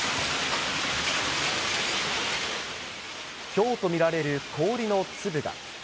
ひょうと見られる氷の粒が。